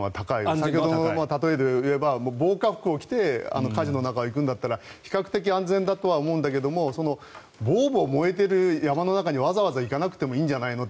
先ほどの例えで言えば防火服を着て火事の中を行くんだったら比較的安全だとは思うんだけどもぼーぼー燃えている山の中にわざわざ行かなくてもいいんじゃないのと。